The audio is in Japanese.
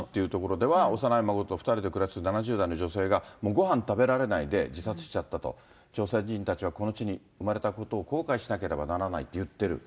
ヘサン市という所では、幼い孫と２人で暮らす７０代の女性がごはん食べられないで自殺しちゃったと、朝鮮人たちはこの地に生まれたことを後悔しなければならないと言っている。